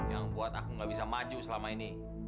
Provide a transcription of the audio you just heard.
yang buat aku gak bisa maju selama ini